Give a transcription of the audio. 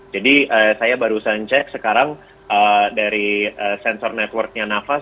jadi saya baru saja cek sekarang dari sensor networknya nafas